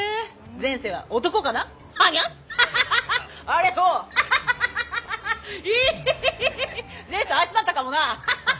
前世はあいつだったかもなハハハ！